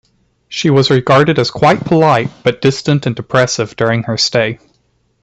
She was regarded as quite polite but distant and depressive during her stay.